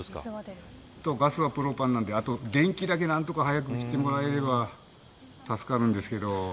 ガスはプロパンなので電気だけ何とかしてもらえれば助かるんですけど。